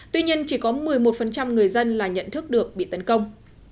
tuy nhiên chỉ có một mươi một người dân là nhận thức được bị tấn công